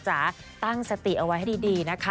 จ๋าตั้งสติเอาไว้ให้ดีนะคะ